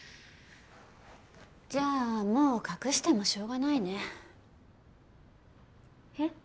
じゃあもう隠してもしょうがないね。え？